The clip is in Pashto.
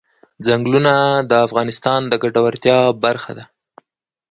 ځنګلونه د افغانانو د ګټورتیا برخه ده.